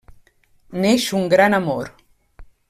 Neix un gran amor.